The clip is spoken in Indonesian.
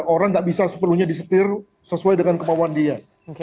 orang nggak bisa sepenuhnya disetir sesuai dengan kemauan dia